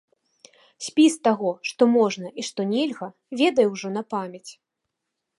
Спіс таго, што можна і што нельга, ведае ўжо на памяць.